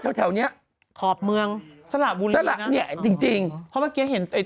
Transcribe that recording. แถวแถวเนี้ยขอบเมืองสระบุรีสละเนี่ยจริงจริงเพราะเมื่อกี้เห็นไอ้